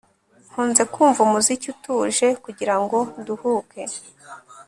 Nkunze kumva umuziki utuje kugirango nduhuke